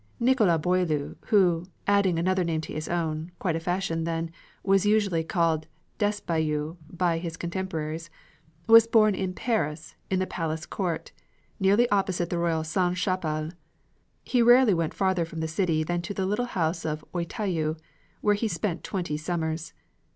Nicholas Boileau, who, adding another name to his own, quite a fashion then, was usually called Despréaux by his contemporaries, was born in Paris, in the palace court, nearly opposite the royal Sainte Chapelle. He rarely went farther from the city than to the little house at Auteuil, where he spent twenty summers.